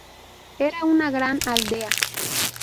Era una gran aldea.